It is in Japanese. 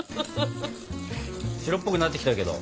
白っぽくなってきたけど。